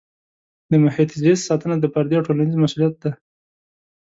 د محیط زیست ساتنه د فردي او ټولنیز مسؤلیت دی.